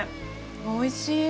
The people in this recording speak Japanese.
おいしい。